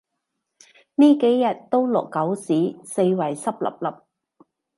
呢幾日都落狗屎，四圍濕 𣲷𣲷